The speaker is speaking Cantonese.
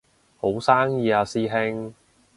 好生意啊師兄